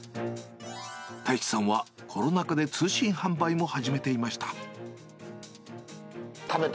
太地さんはコロナ禍で、通信販売も始めていました。